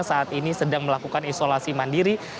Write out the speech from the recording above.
saat ini sedang melakukan isolasi mandiri